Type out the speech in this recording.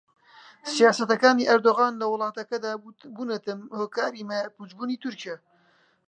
سیاسەتەکانی ئەردۆغان لە وڵاتەکەدا بوونەتە هۆکاری مایەپووچبوونی تورکیا